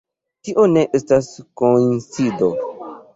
Tio ne estas koincido.